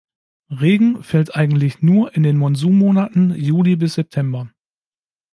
Regen fällt eigentlich nur in den Monsunmonaten Juli bis September.